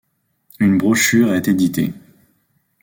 Une brochure est éditée.